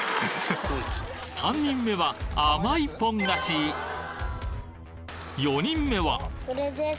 ３人目は甘いポン菓子４人目はこれです。